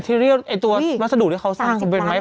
ไอทีเรียลไอตัวมัสดุที่เขาสร้างเป็นไม้ไผล